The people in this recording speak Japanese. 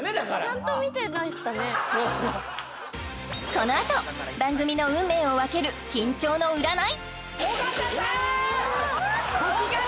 このあと番組の運命を分ける緊張の占い尾形さーん！